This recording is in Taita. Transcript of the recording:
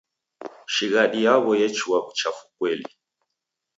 Shighadi yaw'o yechua w'uchafu kweli.